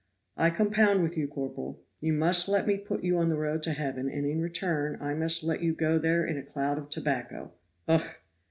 "I compound with you, corporal. You must let me put you on the road to heaven, and, in return, I must let you go there in a cloud of tobacco ugh!"